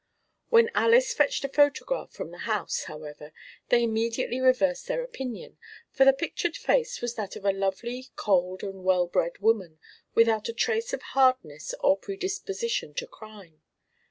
When Alys fetched a photograph from the house, however, they immediately reversed their opinion, for the pictured face was that of a lovely cold and well bred woman without a trace of hardness or predisposition to crime.